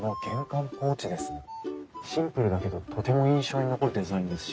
シンプルだけどとても印象に残るデザインですし。